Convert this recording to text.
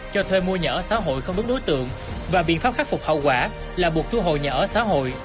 cho thuê mua nhà ở xã hội không đúng đối tượng và biện pháp khắc phục hậu quả là buộc thu hồi nhà ở xã hội